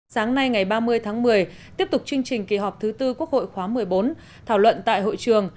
sáng nay ngày ba mươi tháng một mươi tiếp tục chương trình kỳ họp thứ tư quốc hội khóa một mươi bốn thảo luận tại hội trường